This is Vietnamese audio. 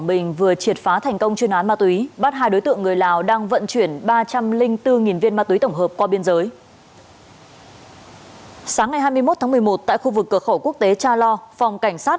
bản thân nghiện ma túy đối tượng nguyễn kim phượng chủ tịch đồng nai